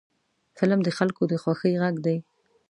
فلم د خلکو د خوښۍ غږ دی